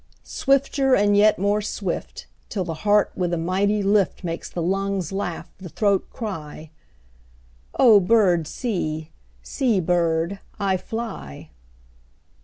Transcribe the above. Swifter and yet more swift, 5 Till the heart with a mighty lift Makes the lungs laugh, the throat cry:— 'O bird, see; see, bird, I fly.